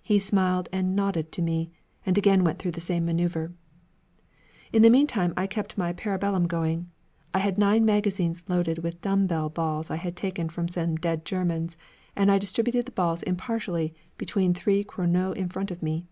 He smiled and nodded to me, and again went through the same manœuvre. In the meantime I kept my parabellum going. I had nine magazines loaded with dum dum balls I had taken from some dead Germans, and I distributed the balls impartially between three créneaux in front of me.